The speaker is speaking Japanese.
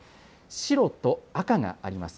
白と赤があります。